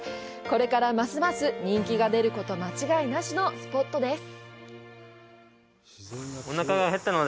これからますます人気が出ること間違いなしのスポットです。